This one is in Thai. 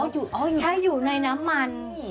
อ๋ออยู่ใช่อยู่ในน้ำมัน